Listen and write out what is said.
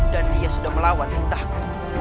dan dia sudah melawan tentahku